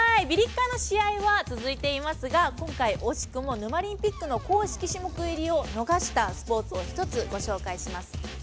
ビリッカーの試合は続いていますが今回、惜しくも「ヌマリンピック」の公式種目入りを逃したスポーツを一つ、ご紹介します。